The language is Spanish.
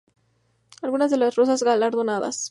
Algunas de las rosas galardonadas.